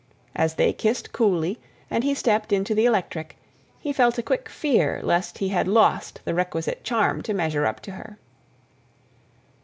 As they kissed coolly and he stepped into the electric, he felt a quick fear lest he had lost the requisite charm to measure up to her.